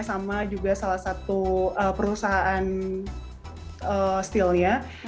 sama juga salah satu perusahaan steelnya